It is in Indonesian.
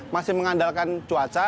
masih mengandalkan cuaca